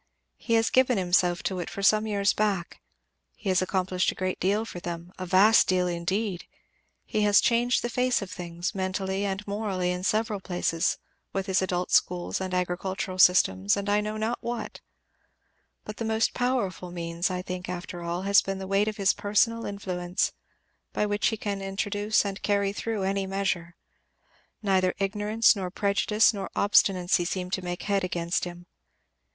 He has given himself to it for some years back; he has accomplished a great deal for them a vast deal indeed! He has changed the face of things, mentally and morally, in several places, with his adult schools, and agricultural systems, and I know not what; but the most powerful means I think after all has been the weight of his personal influence, by which he can introduce and carry through any measure; neither ignorance nor prejudice nor obstinacy seem to make head against him.